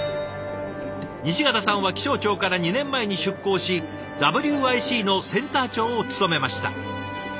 西潟さんは気象庁から２年前に出向しＷＩＣのセンター長を務めました。